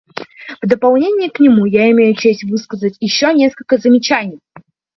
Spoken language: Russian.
В дополнение к нему я имею честь высказать еще несколько замечаний.